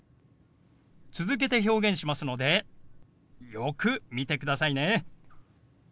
続けて表現しますのでよく見てくださいね。